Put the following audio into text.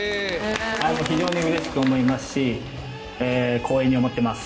非常にうれしく思いますし、光栄に思ってます。